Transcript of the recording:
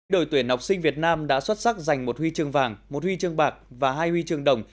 đội tuyển học sinh việt nam đã xuất sắc giành một huy chương vàng một huy chương bạc và hai huy chương đồng